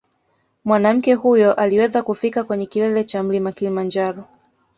Mwanamke huyo aliweza kufika kwenye kilele cha mlima Kilimanjaro